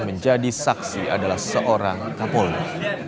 menjadi saksi adalah seorang kapolda